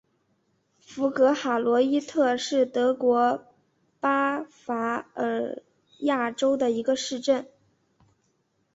福格塔罗伊特是德国巴伐利亚州的一个市镇。